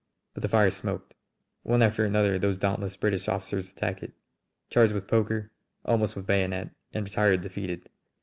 But the fire smoked. One after another those dauntless British officers attacked it, charged with poker, almost with bayonet, and retired defeated.